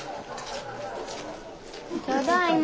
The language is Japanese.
ただいま。